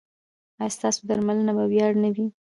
ایا ستاسو درملنه به وړیا نه وي؟